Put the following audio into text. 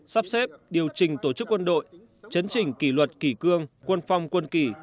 sắp xếp điều trình tổ chức quân đội chấn trình kỷ luật kỷ cương quân phong quân kỳ